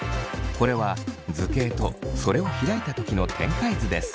これは図形とそれを開いた時の展開図です。